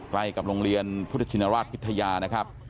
ใกล้กับโรงเรียนพุทธชินราชพิทยานะครับ